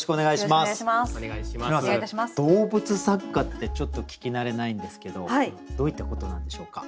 まず動物作家ってちょっと聞き慣れないんですけどどういったことなんでしょうか？